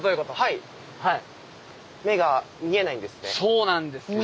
目が見えないんですね。